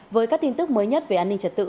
với các tin tức mới nhất về an ninh trật tự